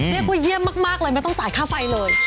เรียกว่าเยี่ยมมากเลยไม่ต้องจ่ายค่าไฟเลย